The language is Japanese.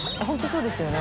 そうですよね